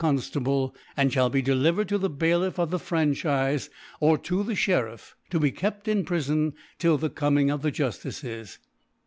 Con* ( 147 ) Conftable, and fhall be deliveFcd to the ifai^ lifF of the Franchife, or to the ShcriOP, to be kept in Pr ifon till the coming of the Juf tices.